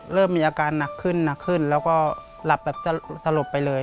เริ่มมีอาการหนักขึ้นหนักขึ้นแล้วก็หลับแบบสลบไปเลย